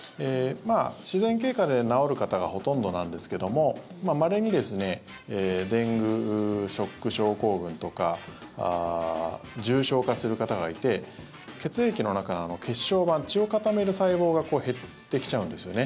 自然経過で治る方がほとんどなんですけどもまれにデングショック症候群とか重症化する方がいて血液の中の血小板血を固める細胞が減ってきちゃうんですよね。